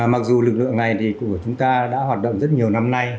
mặc dù lực lượng này của chúng ta đã hoạt động rất nhiều năm nay